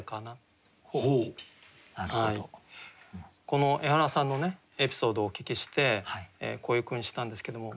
このエハラさんのエピソードをお聞きしてこういう句にしたんですけども。